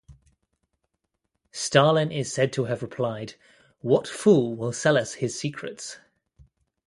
Stalin is said to have replied: What fool will sell us his secrets?